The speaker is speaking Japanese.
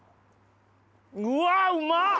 うわうま！